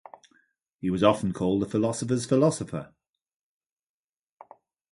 He was often called the philosopher's philosopher.